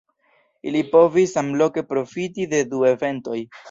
Ili povis samloke profiti de du eventoj.